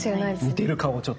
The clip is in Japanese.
似てる顔をちょっと探して。